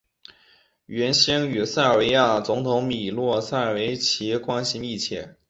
原先与塞尔维亚总统米洛塞维奇关系密切。